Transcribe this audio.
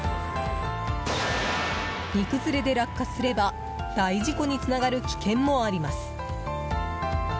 荷崩れで落下すれば大事故につながる危険もあります。